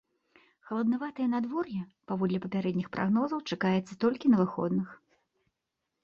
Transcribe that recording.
Халаднаватае надвор'е, паводле папярэдніх прагнозаў, чакаецца толькі на выходных.